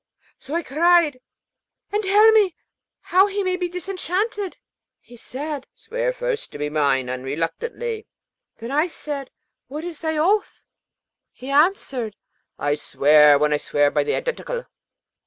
So I cried, 'And tell me how he may be disenchanted.' He said, 'Swear first to be mine unreluctantly.' Then I said, 'What is thy oath?' He answered, 'I swear, when I swear, by the Identical.'